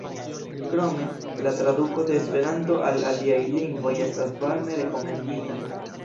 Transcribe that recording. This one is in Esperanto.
Krome, la traduko de Esperanto al aliaj lingvoj estas varme rekomendita.